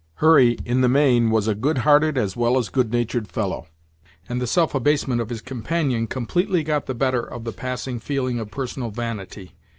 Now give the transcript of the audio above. Hurry, in the main, was a good hearted as well as good natured fellow; and the self abasement of his companion completely got the better of the passing feeling of personal vanity.